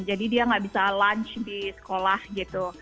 jadi dia gak bisa lunch di sekolah gitu